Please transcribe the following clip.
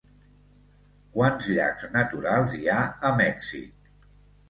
Quants llacs naturals hi ha a Mèxic?